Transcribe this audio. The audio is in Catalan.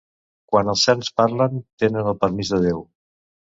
Quan els sants parlen, tenen el permís de Déu.